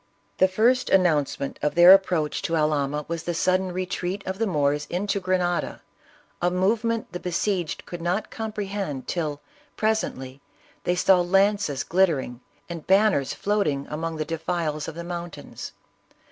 The first announcement of their approach to Alhama, 86 ISABELLA OF CASTILE. was the sudden retreat of the Moors into Grenada, a movement the besieged could not comprehend till, presently, they saw lances glittering and banners float ing among the defiles of the mountains.